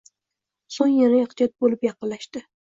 . So’ng yana ehtiyot bo’lib yaqinlashdi.